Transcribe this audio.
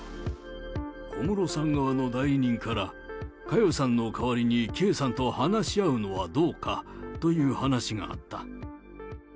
小室さん側の代理人から、佳代さんの代わりに圭さんと話し合うのはどうかという話があった。